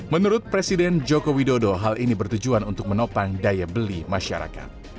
menurut presiden joko widodo hal ini bertujuan untuk menopang daya beli masyarakat